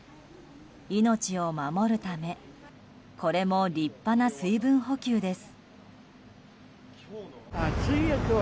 命を守るためこれも立派な水分補給です。